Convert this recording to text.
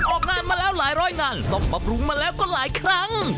ออกงานมาแล้วหลายร้อยงานต้องปรับปรุงมาแล้วก็หลายครั้ง